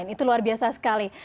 itu luar biasa sekali